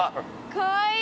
かわいい！